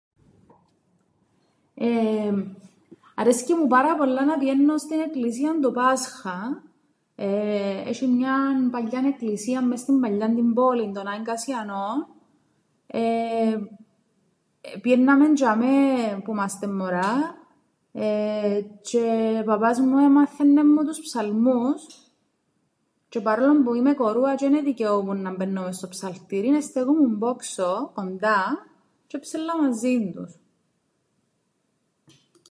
Εεεμ, αρέσκει μου πάρα πολλά να πηαίννω στην εκκλησίαν το Πάσχαν, ε, έσ̆ει μιαν παλιάν εκκλησίαν μες στην παλιάν την πόλην, τον Άη Κασσιανόν, εεεμ, επηαίνναμεν τζ̆ειαμαί που 'μαστεν μωρά, ε τζ̆αι ο παπάς μου εμάθαιννεν μου τους ψαλμούς, τζ̆αι παρόλον που είμαι κορούα τζ̆αι εν εδικαιούμουν να μπαίννω μες στο ψαλτήριν εστέκουμουν πόξω κοντά τζ̆’ έψελλα μαζίν τους.